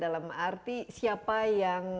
dalam arti siapa yang